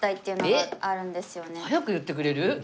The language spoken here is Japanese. えっ！？早く言ってくれる？